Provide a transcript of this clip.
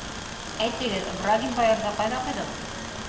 — Әйтегеҙ, Брагин баярҙы ҡайҙа ҡуйҙығыҙ?